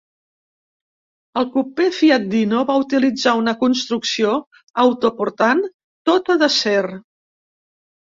El cupè Fiat Dino va utilitzar una construcció autoportant tota d'acer.